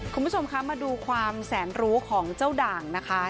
คุณผู้ชมคะมาดูความแสนรู้ของเจ้าด่างนะคะ